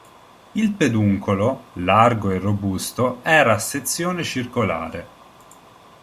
Il peduncolo, largo e robusto, era a sezione circolare.